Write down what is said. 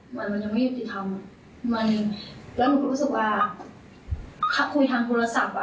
หมุนเราไม่น่าจะทำการเท่านั้นด้วยดิสัมไปค่ะ